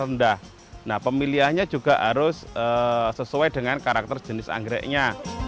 rendah nah pemilihannya juga harus sesuai dengan karakter jenis anggreknya